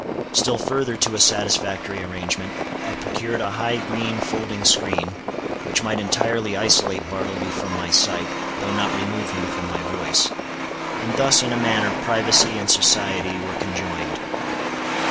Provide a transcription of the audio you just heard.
Still further to a satisfactory arrangement, I procured a high green folding screen, which might entirely isolate Bartleby from my sight, though not remove him from my voice. And thus, in a manner, privacy and society were conjoined.